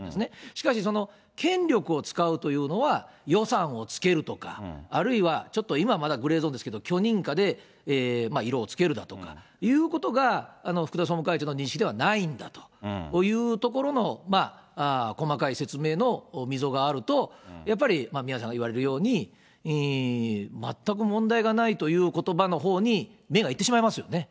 しかしその権力を使うというのは、予算をつけるとか、あるいは、ちょっと今、グレーゾーンですけど、許認可で色をつけるだとかということが、福田総務会長の認識ではないんだというところの、細かい説明の溝があると、やっぱり、宮根さん言われるように、全く問題がないということばのほうに目がいってしまいますよね。